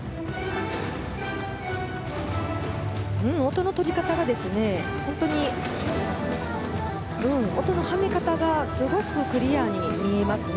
音の取り方音のはめ方がすごくクリアに見えますね。